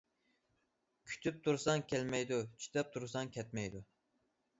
كۈتۈپ تۇرساڭ كەلمەيدۇ، چىداپ تۇرساڭ كەتمەيدۇ.